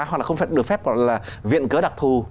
hoặc là không được phép viện cớ đặc thù